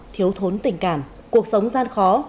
thiếu thốn tình cảm cuộc sống gian khó